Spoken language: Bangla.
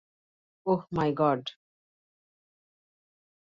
Oh, my god.